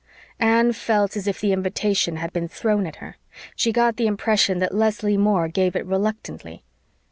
Anne felt as if the invitation had been thrown at her. She got the impression that Leslie Moore gave it reluctantly.